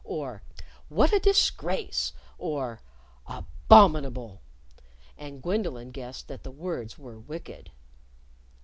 or "What a disgrace!" or "Abominable!" And Gwendolyn guessed that the words were wicked.